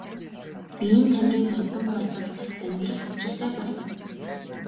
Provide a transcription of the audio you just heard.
Биеийн тамирын донтон бол бол амьдрал хөгжилтэй болно.